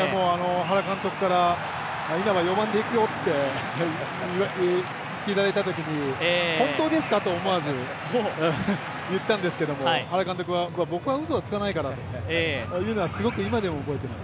原監督から稲葉４番でいくよと言っていただいたときに本当ですかと、思わず言ったんですけど、原監督は僕はうそはつかないからというのはすごく、今でも覚えています。